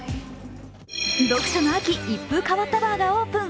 読書の秋、一風変わったバーがオープン。